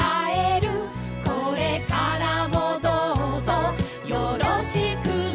「これからもどうぞよろしくね」